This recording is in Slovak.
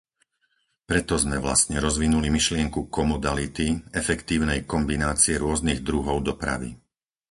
Preto sme vlastne rozvinuli myšlienku komodality, efektívnej kombinácie rôznych druhov dopravy.